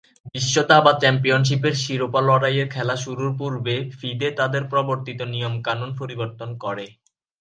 বিশ্ব দাবা চ্যাম্পিয়নশীপের শিরোপা লড়াইয়ের খেলা শুরুর পূর্বে ফিদে তাদের প্রবর্তিত নিয়ম-কানুন পরিবর্তন করে।